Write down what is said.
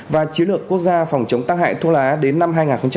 và chứa lược quốc gia phòng chống tác hại thuốc lá đến năm hai nghìn một mươi